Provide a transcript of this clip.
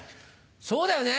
そうだよね。